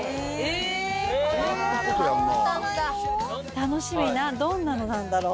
楽しみ、どんなのなんだろう。